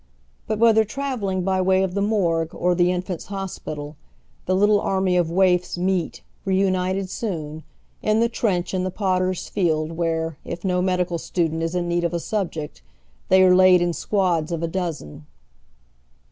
But wlietlier travelling by way of the Morgue or the Infants' Hospital, the little army of waifs meets, reunited soon, in the trench in the Potter's Field whei'e, if no medical stu dent is in need of a subject, they are laid in squads of a dozen.